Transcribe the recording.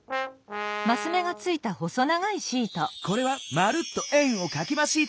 これは「まるっと円をかきまシート」！